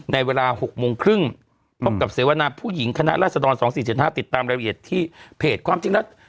ในเวลา๖โมงครึ่งพบกับเสวนาผู้หญิงคณะราษฎร๒๔๗๕ติดตามรายละเอียดที่เพจความจริงแล้ว